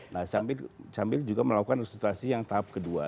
nah sambil juga melakukan registrasi yang tahap kedua